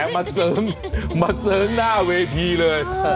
มาเสริงมาเสริงหน้าเวทีเลย